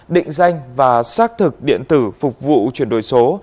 định danh và xác thực điện tử phục vụ chuyển đổi số